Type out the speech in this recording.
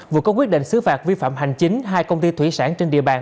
vừa có quyết định xứ phạt vi phạm hành chính hai công ty thủy sản trên địa bàn